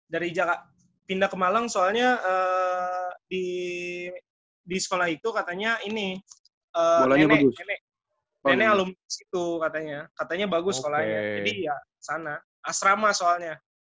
dari pindah ke malang soalnya di sekolah itu katanya ini nenek alumnis itu katanya katanya bagus sekolahnya jadi ya sana asrama soalnya